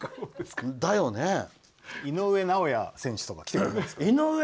井上尚弥選手とか来てくれないですかね。